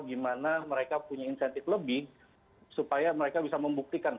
gimana mereka punya insentif lebih supaya mereka bisa membuktikan